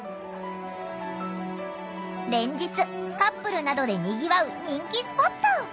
連日カップルなどでにぎわう人気スポット。